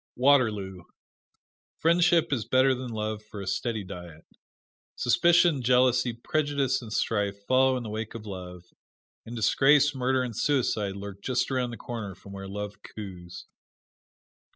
Waterloo: Friendship is better than love for a steady diet. Suspicion, jealousy, prejudice and strife follow in the wake of love; and disgrace, murder and suicide lurk just around the corner from where love coos.